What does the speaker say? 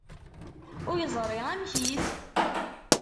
Ur yeẓri amek-it?